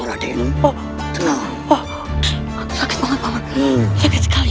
sakit sekali uwan sakit sekali